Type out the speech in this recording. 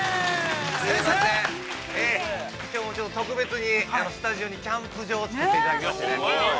◆きょうは特別にスタジオにキャンプ場をつくっていただきました。